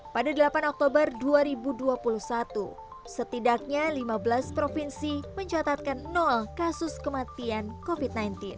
pada delapan oktober dua ribu dua puluh satu setidaknya lima belas provinsi mencatatkan kasus kematian covid sembilan belas